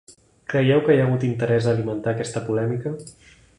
Creieu que hi ha hagut interès a alimentar aquesta polèmica?